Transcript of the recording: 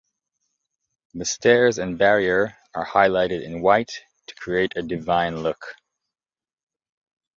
The stairs and barrier are highlighted in white, to create a divine look.